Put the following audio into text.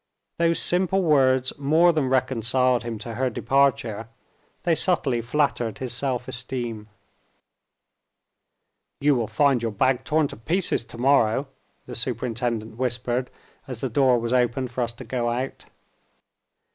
Those simple words more than reconciled him to her departure they subtly flattered his self esteem. "You will find your bag torn to pieces, to morrow," the superintendent whispered, as the door was opened for us to go out.